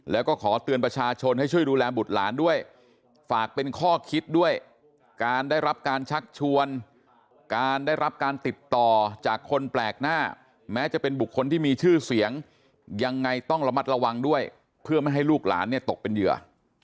แล้วก็ขอเตือนประชาชนให้ช่วยดูแลบุตรหลานด้วยฝากเป็นข้อคิดด้วยการได้รับการชักชวนการได้รับการติดต่อจากคนแปลกหน้าแม้จะเป็นบุคคลที่มีชื่อเสียงยังไงต้องระมัดระวังด้วยเพื่อไม่ให้ลูกหลานเนี่ยตกเป็นเหยื่อ